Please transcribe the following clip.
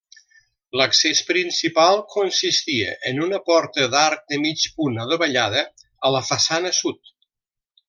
L'accés principal consistia en una porta d'arc de mig punt adovellada a la façana sud.